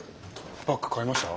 バッグ変えました？